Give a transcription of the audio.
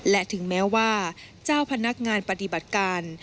และถึงแม้ว่าเจ้าพนักงานปฏิบัติการ